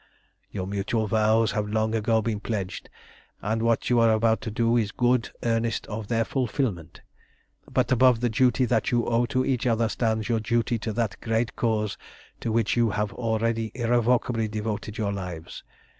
"Your mutual vows have long ago been pledged, and what you are about to do is good earnest of their fulfilment. But above the duty that you owe to each other stands your duty to that great Cause to which you have already irrevocably devoted your lives.